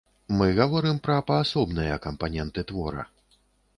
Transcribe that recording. Мы гаворым пра паасобныя кампаненты твора.